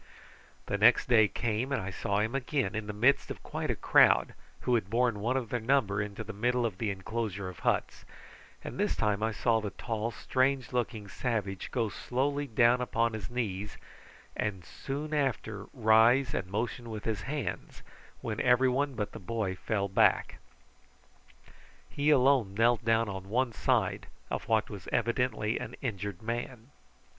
The next day came and I saw him again in the midst of quite a crowd, who had borne one of their number into the middle of the inclosure of huts, and this time I saw the tall strange looking savage go slowly down upon his knees, and soon after rise and motion with his hands, when everyone but the boy fell back. He alone knelt down on one side of what was evidently an injured man.